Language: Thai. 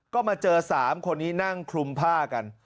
ก็มาเจอ๓คนนี้นั่งคลุมผ้ากัน